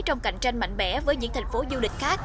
trong cạnh tranh mạnh mẽ với những thành phố du lịch khác